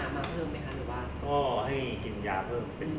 มันประกอบกันแต่ว่าอย่างนี้แห่งที่